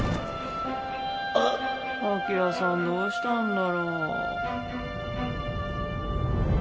晶さんどうしたんだろう？